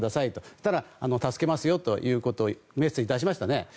そしたら助けますよというメッセージを出しましたよね。